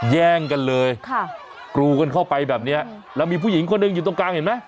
แย่งกันเลยค่ะกรูกันเข้าไปแบบเนี้ยแล้วมีผู้หญิงคนหนึ่งอยู่ตรงกลางเห็นไหม